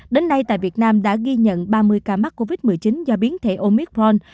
đến nay tại việt nam đã ghi nhận ba mươi ca mắc covid một mươi chín do biến thể omicron